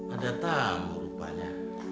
ada tamu rupanya